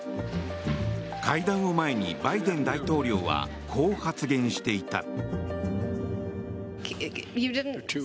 会談を前にバイデン大統領はこう発言していた。